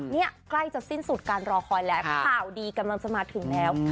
นี่ใกล้จะสิ้นสุดการรอคอยแล้วข่าวดีกำลังจะมาถึงแล้ว